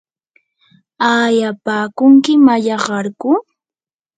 ¿aayapaakunki mallaqarku?